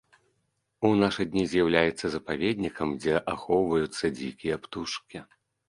У нашы дні з'яўляецца запаведнікам, дзе ахоўваюцца дзікія птушкі.